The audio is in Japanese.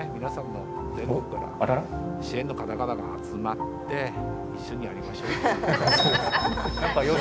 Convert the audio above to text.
皆さんの全国から支援の方々が集まって一緒にやりましょうって。